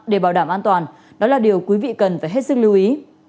để bảo đảm an toàn đó là điều quý vị cần phải hết sức lưu ý